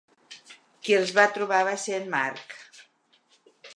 Qui els va trobar va ser en Mark.